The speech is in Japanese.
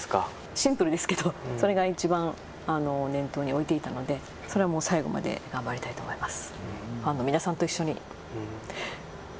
シンプルですけどそれがいちばん念頭に置いていたので、それは最後まで頑張りたいと思います。